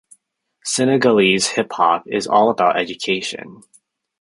Senegalese hip hop is all about education.